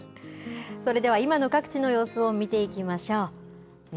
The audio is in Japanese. それでは今の各地の様子を見ていきましょう。